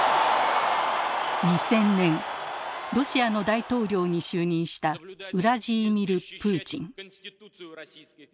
２０００年ロシアの大統領に就任したウラジーミル・プーチン。